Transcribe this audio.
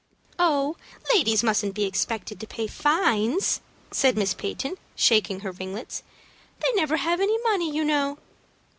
"Oh, ladies mustn't be expected to pay fines," said Miss Peyton, shaking her ringlets. "They never have any money, you know."